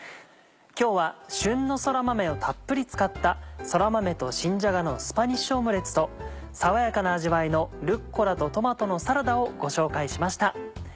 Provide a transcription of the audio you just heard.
今日は旬のそら豆をたっぷり使った「そら豆と新じゃがのスパニッシュオムレツ」と爽やかな味わいの「ルッコラとトマトのサラダ」をご紹介しました。